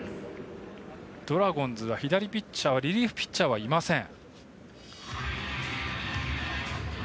ドラゴンズは左ピッチャーリリーフピッチャーはいません。